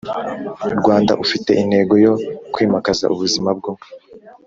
Rwanda ufite intego yo kwimakaza ubuzima bwo